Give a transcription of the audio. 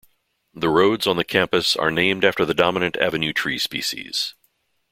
The roads on the campus are named after the dominant avenue tree species.